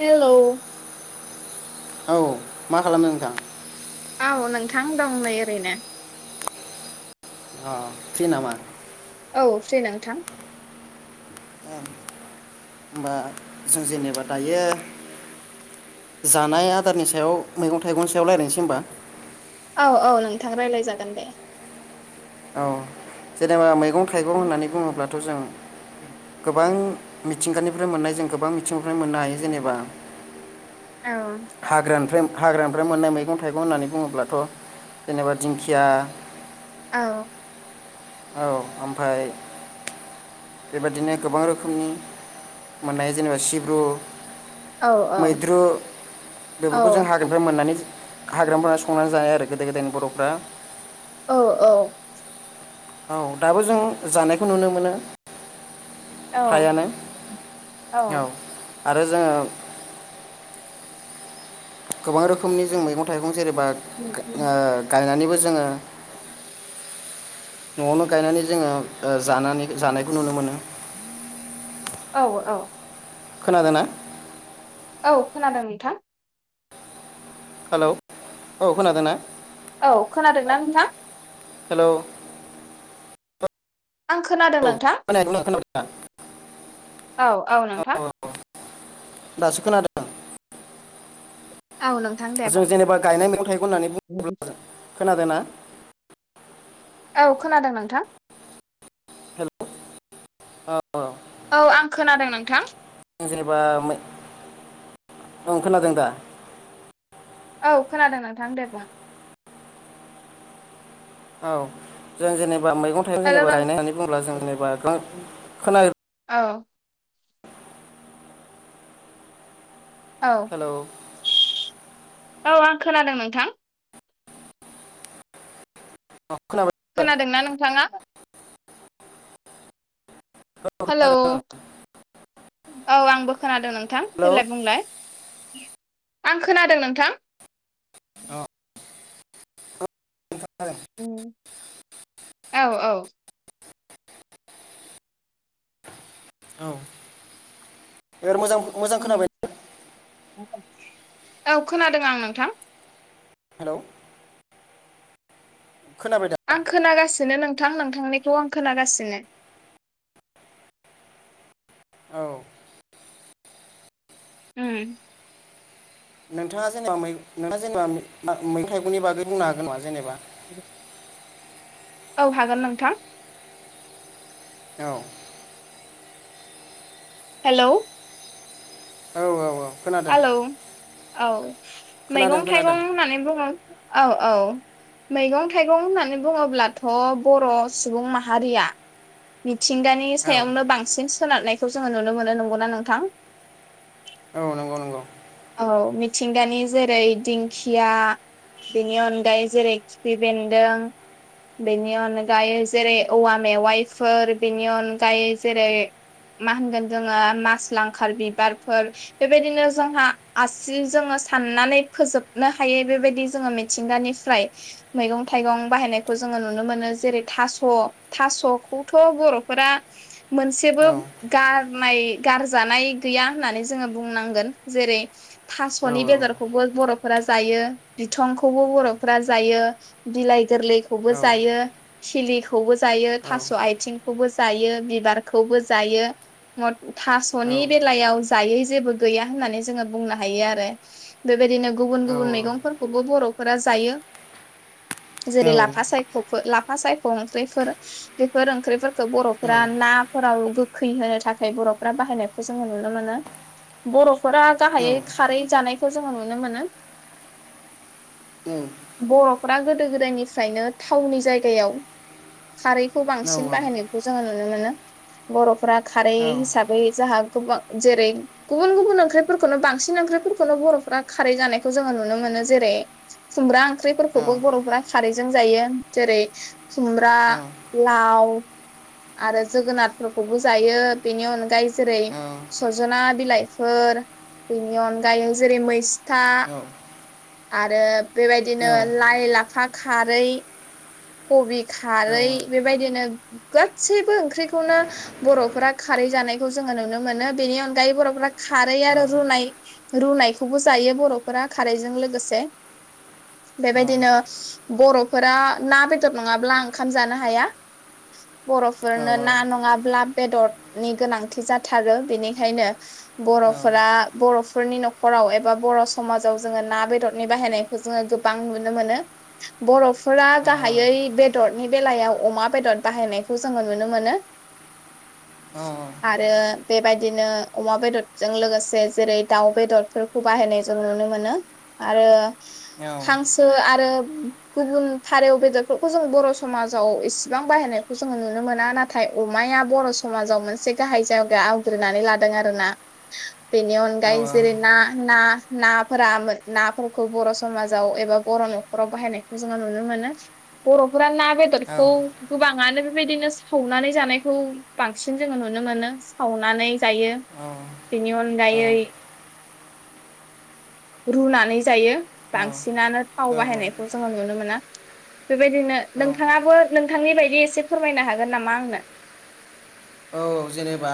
हेल औ मा खालामदों नोंथां औ नोंथां दं नै ओरैनो अ फ्रि नामा औ फ्रि नोंथां ओं होनबा जों जेनेबा दायो जानाय आदारनि सायाव मैगं थाइगंनि सायाव रायलायनसै होमबा औ औ नोंथां रायलाय जागोन दे औ जेनेबा मै गं थाइगं होननानै बुङोब्लाथ' जों गोबां मिथिंगानिफ्राय मोननाय जों गोबां मिथिंगानिफ्राय मोननो हायो जेनेबा औ हाग्रानिफ्राय हाग्रानिफ्राय मोननाय मैगं थाइगं होननानै बुङोब्लाथ' जेनेबा दिंखिया औ औ ओमफाय बेबादिनो गोबां रोखोमनि मोननाय जेनेबा सिब्रु औ मैद्रु औ बेफोरखौ जों हाग्रानिफ्राय मोननानै हाग्रायाव मोनना संनानै जाया आरो गोदाय गोदायनि बर'फ्रा औ औ औ दाबो जों जानायखौ नुनो मोनो औ फ्रायानो औ आरो जोङो गोबां रोखोमनि जों मैगं थाइगं जेरै बा गा ओ गायनानैबो जोङो न'आवनो गायनानै जोङो ओ जानानै जानायखौ नुनो मोनो औ औ खोनादों ना औ खोनादों नोंथां हेलौ औ खोनादों ना औ खोनादोंना नोंथां हेल' आं खोनादों नोंथां [unintelligible] औ औ औ नोंथां औ औ दासो खोनादों [inaudible] दे जों बुं जेनेबा गायनाय मैगं थाइगं होननानै बुङोब्ला जों खोनादों ना औ खोनादों नोंथां हेलौ अ अ औ आं खोनादों नोंथां जेनेबा [unintelligible] ओं खोनादों दा औ खोनादों नोंथां दे बुं औ जों जेनेबा मैगं थाइगं हेलौ जेनेबा नों गायनाय होननानै बुङोबा जों जेनेबा खोना औ औ हेलौ औ आं खोनादों नोंथां अ खोनाबाय खोनादोंना नोंथाङा हेलौ औ आंबो खोनादों नों थां हेलौ देलाय बुंलाय आं खोनादों नोंथां अ औ उम्म औ औ बेयार मोजां मोजां खोनाबाय औ खोनादों आं नोंथां हेलौ खोनाबाय दा आं खोनागासिनो नोंथां नोंथांनिखौ आं खोनागासिनो औ उम नोंथाङा जेनेबा मै नोंथाङा जेनेबा मै मैगं थाइगंनि बागै बुंनो हागोन नामा जेनेबा [inaudible] औ हागोन नोंथां औ हेलौ औ औ औ खोनादों आलौ औ खोनादों मैगं थाइगं खोनादों होननानै बुङो औ औ मैगं थाइगं होननानै बुङोब्लाथ' बर' सुबुं माहारिया मिथिंगानि औ सायावनो बांसिन सोनारनायखौ जोङो नुनो मोनो नंगौना नोंथां औ नंगौ नंगौ औ मिथिंगानि जेरै दिंखिया बेनि अनगायै जेरै खिफि बेन्दों बेनि अनगायै जेरै औवा मेवाइफोर बेनि अनगायै जेरै मा होनगोन जोङो मास लांखार बिबारफोर बेबायदिनो जोंहा आसि जोङो साननानै फोजोबनो हायै बेबायदि जोङो मिथिंगानिफ्राय मैगं थाइगं बाहायनायखौ जोङो नुनो मोनो जेरै थास' थास'खौथ' बर'फोरा मोनसेबो औ गार नाय गारजानाय गैया होननानै जोङो बुंनांगोन जेरै औ थासनि बेदरखौबो बर'फ फोरा जायो बिथंखौबो बर'फोरा जायो बिलाइ गोरलै खौबो औ जायो सिलिखौबो जायो औ थास' आइथिं खौबो जायो बिबारखौबो जायो औ थास'नि बेलायाव जायै जेबो गैया होननानै जोंङो बुंनो हायो आरो बेबायदिनो गुबुन औ गुबुन मैगंफोरखौबो बर' फोरा जायो। जेरै लाफासायखखो ला लाफा सायख' ओंख्रिफोर बेफोर ओंख्रिफोरखौ बर'फोरा औ नाफोराव गोखै होनो थाखाय बर'फोरा बाहायनायखौ जोंङो नुनो मोनो बर'फोरा गाहायै खारै जानायखौ जोंङो नुनो मोनो। औ फ्रा गोदो गोदायनिफ्रायनो थावनि जायगायाव खारैखौ बांसिन बाहायनायखौ जोङो नुनो मोनो बर'फोरा खारै हिसाबै जाहा गोबां जेरै गुबुन गुबुन ओंख्रि खौनो बांसिन ओंख्रिफोरखौनो बर'फोरा खारै जानायखौ जोंङो नुनो मोनो जेरै खुमब्रा ओंख्रिफोरखौबो बर'फोरा खारैजों जायो जेरै खुमब्रा लाव आरो जोगोनारफोरखौबो जायो बेनि अनगायै जेरै सजना बिलाइफोर बिनि अनगायै जेरै मै था आरो बेबायदिनो लाइ लाफा खारै कबि औ खारै औ बेबायदिनो गासैबो ओंख्रिखौनो बर'फोरा खारै जानायखौ जोंङो नुनो मोनो बेनि अनगायै बर'फोरा खारै औ आरो रुनाय रुनायखौबो जायो बर'फोरा खारैजों लोगोसे बेबायदिनो बर'फोरा ना बेदर नंङाब्ला ओंखाम जानो हाया। बर'फोरनो ना नंङाब्ला बेदरनि गोनांथि जाथारो बेनिखायनो बर'फोरा बर'फोरनि न'खराव एबा बर' समाजाव जोंङो ना बेदरनि बाहायनायखौ जोंङो गोबां नुनो मोनो बर'फोरा गाहायै बेदरनि बेलायाव अमा बेदर बाहायनायखौ जोंङो नुनो मोनो। आरो बेबायदिनो अमा बेदरजों लोगोसे जेरै दाउ बेदरफोरखौ बाहायनाय जों नुनो मोनो आरो हांसो आरो गुबुन फारौ बेदरफोरखौ जों बर' समाजाव इसेबां बाहायनायखौ जोङो नुनो मोना नाथाय अमाया बर' समाजाव मोनसे गाहाय जायगा आवग्रिनानै लादों आरोना बिनि अनगायै जेरै ना ना नाफोरा [unintelligible] नाफोरखौ बर' समाजाव एबा बर' न'खराव बाहायनायखौ जोङो नुनो मोनो बर'फोरा ना बेदर खौ गोबां आनो बेबायदिनो सावनानै जानायखौ बांसिन जोंङो नुनो मोनो सावनानै जायो बेनि अनगायै रुनानै जायो। बांसिनानो थाव औ बाहायनायखौ जोङो नुनो मोना। बेबायदिनो नोंथाङाबो नोंथांनि बायदि एसे फोरमायनो हागोन नामा आंनो? औ जेनेबा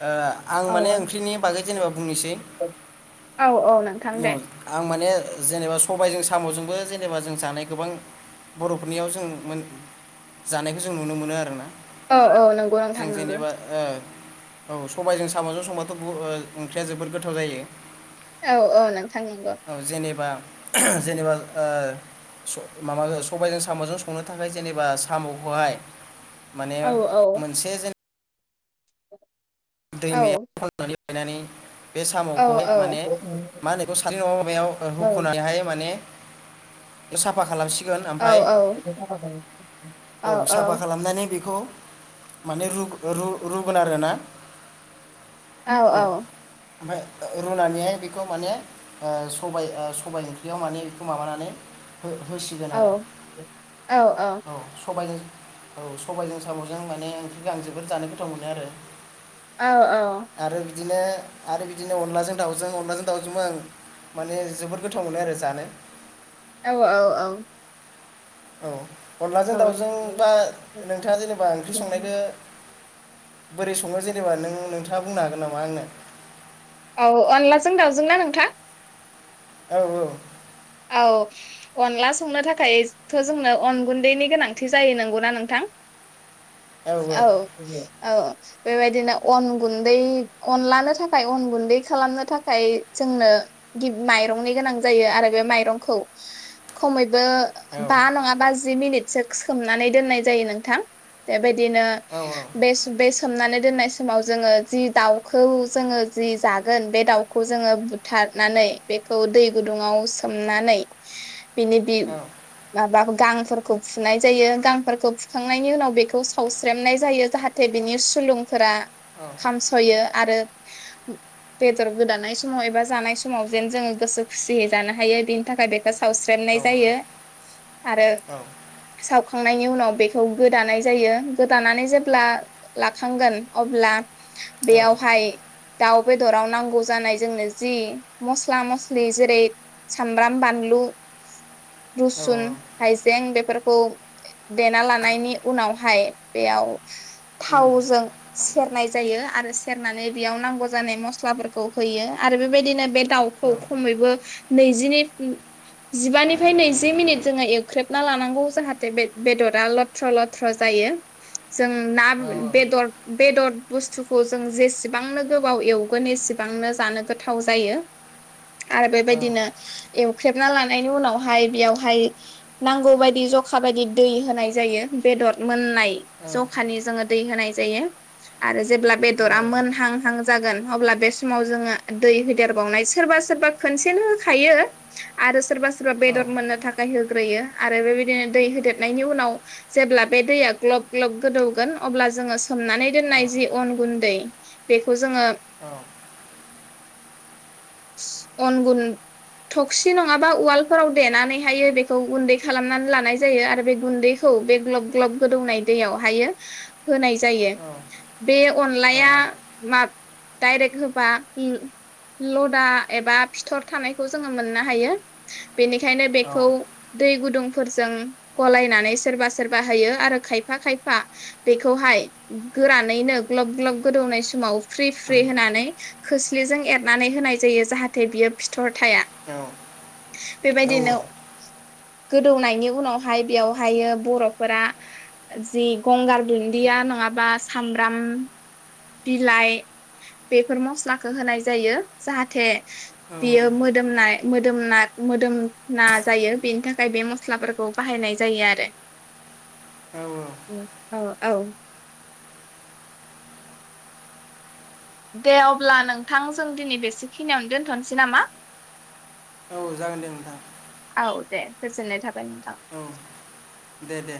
ओ आं औ माने ओंख्रिनि बागै जेनेबा बुंनोसै। औ आं माने जेनेबा सबाइजों साम साम'जोंबो जेनेबा जों जानाय गोबां बर'फोरनियाव जों मोन जानायखौ जों नुनो मोनो आरोना। औ औ नंगौ नोंथां जों नंगौ। जेनेबा औ सबाइजों साम'जों संबाथ' बु ओ ओंख्रिया जोबोद गोथाव जायो। औ औ नों औ जेनेबा जेनेबा ओ स माबा सबाइजों साम'जों संनो थाखाय जेनेबा साम'खौहाय माने औ औ मोनसे जेन औ दैमायाव [unintelligible] [unintelligible] बे औ साम'खौहाय माने औ मा होनो बेखौ [unintelligible] औ हुख'नानैहाय माने साफा खालामसि औ औ औ साफा औ। खालामनानै बेखौ माने रुग-रु-रुगोन आरोना। औ औ। ओमफाय रुनानैहाय बेखौ माने ओ सबाइ ओ सबाइ ओंख्रियाव माने इखो माबानानै हो-होसिगोन आरो औ औ सबाइजों औ सबाइजों साम'जों माने ओंख्रिखो आं जोबोद जानो गोथाव मोनो आरो। औ औ। आरो बिदिनो आरो बिदिनो अनलाजों दाउजों अनलाजों दाउजोंबो आं माने जोबोद गोथाव मोनो आरो जानो। औ औ औ। औ अनलाजों दाउजों बा नोंथाङा जेनेबा ओंख्रि संनायखो बोरै सङो जेनेबा नों नोंथाङा बुंनो हागोन नामा आंनो? औ अनलाजों दाउजोंना नोंथां? औ औ औ अनला संनो थाखायथ' जोंनो अन गुन्दैनि गोनांथि जायो नंगौना नोंथां? औ औ बेबायदिनो अन गुन्दै अनलानो थाखाय अन गुन्दै खालामनो थाखाय जोंनो माइरंनि गोनां जायो आरो बे मायरंखौ खमै बो औ बा नङाबा जि मिनिटसो सोमनानै दोननाय जायो नोंथां। बेबाय दिनो औ बे बस सोमनानै दोननाय समाव जोङो जि दाउखौ जोङो जि जागोन बे दाउखौ जोङो बुथारनानै बेखौ दै गुदुङाव सोमनानै बिनि औ माबा गांफोरखौ फुनाय जायो। गांफोरखौ फुखांनायनि उनाव बेखौ सावस्रेमनाय जायो जाहाथे बिनि सुलुंफोरा खामस'यो। आरो बेदर गोदानाय समाव एबा जानाय समाव जेन जोङो गोसो खुसियै जानो हायो थाखाय थाखाय बे सावस्रेमनाय जायो। आरो साव खांनायनि उनाव बेखौ गोदानाय जायो गोदानानै जेब्ला लाखांगोन अब्ला औ औ बेयावहाय दाउ बेदराव नांगौ जानाय जोंनो जि मस्ला मस्लि जेरै सामब्राम बानलु औ औ रुसुन हाइजें बे फोरखौ देना लानायनि उनावहाय बेयाव उम थावजों सेरनाय जायो आरो सेरनानै बेयाव नांगौ जानाय मस्लाफोरखौ होयो। आरो बेबायदिनो बे औ दाउखौ खमैबो नैजि जिबानिफ्राय नैजि मिनिट जोङो एवख्रेबना लानांगौ जाहाथे बे बेदरा लथ्र' लथ्र' जायो। जों ना औ बेदर बेदर बुस्थुखौ जों जेसेबांनो गोबाव एवगोन एसेबांनो जानो गोथाव जायो। आ औ बिदिनो एवख्रेबना लानायनि उनावहाय बेयावहाय नांगौ बायदि जखा बायदि दै होनाय जायो बेदर मोननाय जखानि जोंङो दै होनाय जायो आरो जेब्ला औ बेदरामोन हां हां जागोन अब्ला बे समाव जों दै होदेरावनाय सोरबा सोरबा खोनसेनो होखायो आरो सोरबा सोर बा बेदर मोननो थाखाय हो होग्रोयो आरो बेबायदिनो दै होदेरनायनि उनाव जेब्ला बे दैया ग्लब ग्लब गोदौगोन अब्ला जोङो सोमनानै दोननाय जि अन गुन्दै बेखौ जोङो औ अनगुन टक्सि नङाबा उवालफोराव देनानैहायो बेखौ गुन्दै खालामनानै लानाय जायो आरो बे गुन्दैखौ बे ग्लब ग्लब गोदौनाय दैयावहायो। होनाय जायो औ औ बे औ अनलाया मा डाइरेक्ट होबा ल' लदा एबा फिथर थानायखौ जोङो मोननो हायो। बेनिखायनो औ बेखौ दै गुदुंफोरजों गलायनानै सोरबा सोरबा होयो आरो खायफा खायफा बेखौहाय गोरानैनो ग्लब ग्लब गोदौनाय समाव फ्रि फ्रि होनानै खोस्लिजों एरनानै होनाय जायो जाहाथे बियो फिथर थाया औ बेबायदिनो गोदौनायनि उनावहाय बेयावहायो बर'फोरा जि गंगार दुन्दिया नङाबा सामब्राम बिलाइ बेफोर मस्लाखौ होनाय जायो जाहाथे औ बियो मोदोमनाय मोदोमना मोदोमना जायो बेनि थाखाय बे मस्लाफोरखौ बाहायनाय जायो आरो। औ औ औ दे अब्ला नोंथां जों दिनै बेसेखिनियावनो दोन्थ'नोसै नामा औ जागोन दे नोंथां औ दे गोजोन्नाय थाब औ दे दे